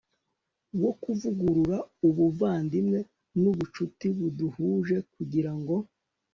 wo kuvugurura ubuvandimwe n'ubucuti buduhuje kugira ngo